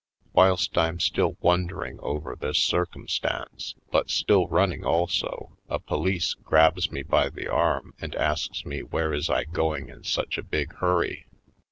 Whilst I'm still wondering over this circumstance, but still running also, a police grabs me by the arm and asks me where is I going in such a big hurry?